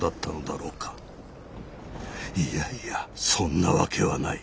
いやいやそんなわけはない。